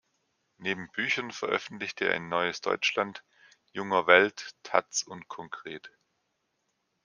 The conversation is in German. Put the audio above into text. Neben Büchern veröffentlichte er in Neues Deutschland, junger Welt, taz und Konkret.